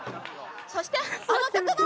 そしてあの曲も！